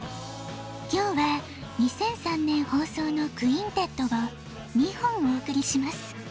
今日は２００３年ほうそうの「クインテット」を２本おおくりします。